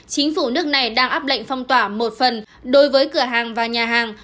chính phủ nước này đang áp lệnh phong tỏa một phần đối với cửa hàng và nhà hàng